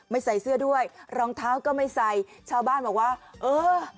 ใส่เสื้อด้วยรองเท้าก็ไม่ใส่ชาวบ้านบอกว่าเออ